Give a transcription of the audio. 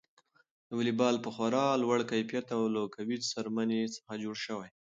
دا واليبال په خورا لوړ کیفیت او له قوي څرمنې څخه جوړ شوی.